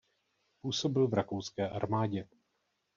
Působil v rakouské armádě.